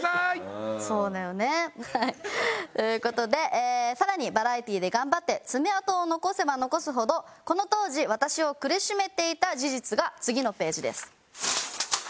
そうだよね。という事で更にバラエティで頑張って爪痕を残せば残すほどこの当時私を苦しめていた事実が次のページです。